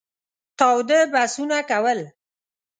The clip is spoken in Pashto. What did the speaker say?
تاوده بحثونه کول.